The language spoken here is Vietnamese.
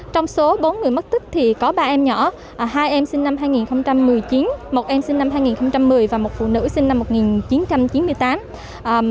trong số bốn người mất tích thì có ba em nhỏ hai em sinh năm hai nghìn một mươi chín một em sinh năm hai nghìn một mươi và một phụ nữ sinh năm một nghìn chín trăm chín mươi tám